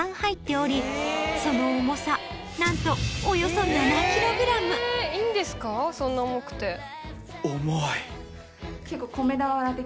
そんな重くて。